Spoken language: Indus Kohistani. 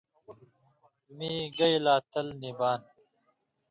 مِیں گئ لا تل نہ بان۔